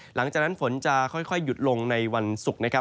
หลังจากนั้นฝนจะค่อยหยุดลงในวันศุกร์นะครับ